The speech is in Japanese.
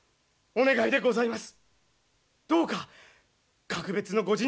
お願いがございます。